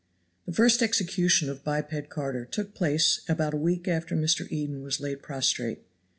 The first execution of biped Carter took place about a week after Mr. Eden was laid prostrate.